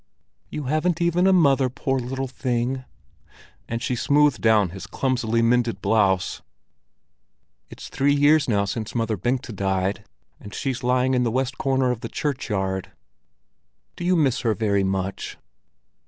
"You haven't even a mother, poor little thing!" And she smoothed down his clumsily mended blouse. "It's three years now since Mother Bengta died, and she's lying in the west corner of the churchyard." "Do you miss her very much?"